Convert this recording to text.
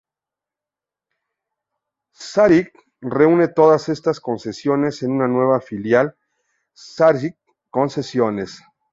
Sacyr reúne todas estas concesiones en una nueva filial, Sacyr Concesiones.